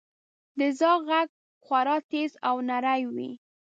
• د زاغ ږغ خورا تیز او نری وي.